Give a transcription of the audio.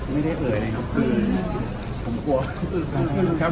ไม่ได้เกิดอะไรนะครับ